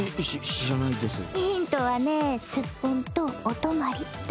ヒントはねすっぽんとお泊まりだよ。